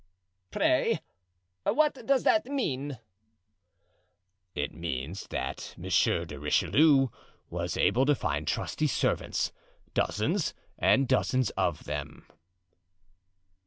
'" "Pray, what does that mean?" "It means that Monsieur de Richelieu was able to find trusty servants, dozens and dozens of them."